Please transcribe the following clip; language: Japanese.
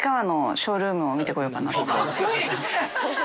ショールーム